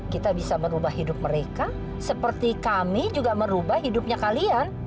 kita bisa merubah hidup mereka seperti kami juga merubah hidupnya kalian